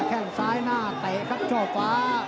แค่งซ้ายหน้าเตะครับช่อฟ้า